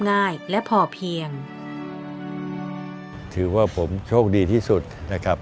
ง่ายและพอเพียงถือว่าผมโชคดีที่สุดนะครับ